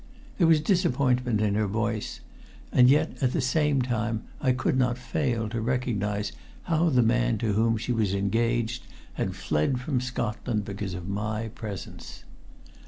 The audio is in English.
There was disappointment in her voice, and yet at the same time I could not fail to recognize how the man to whom she was engaged had fled from Scotland because of my presence.